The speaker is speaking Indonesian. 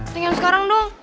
tanya sekarang dong